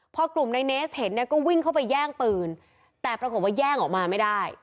พอกลุ่มในเนสเห็นเนี่ยก็วิ่งเข้าไปแย่งปืนแต่ปรากฏว่าแย่งออกมาไม่ได้